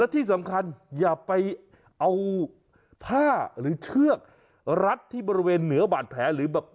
ที่สำคัญอย่าไปเอาผ้าหรือเชือกรัดที่บริเวณเหนือบาดแผลหรือแบบ